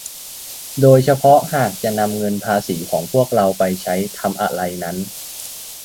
โดยเฉพาะหากจะนำเงินภาษีของพวกเราไปใช้ทำอะไรนั้น